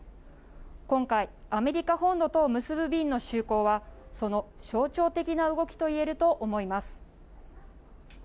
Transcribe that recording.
今回、アメリカ本土とを結ぶ便の就航はその象徴的な動きといえると思います。